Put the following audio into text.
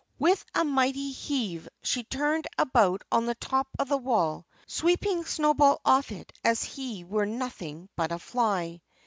With a mighty heave she turned about on the top of the wall, sweeping Snowball off it as if he were nothing but a fly.